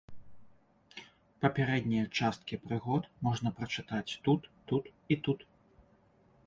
Папярэднія часткі прыгод можна прачытаць тут, тут і тут.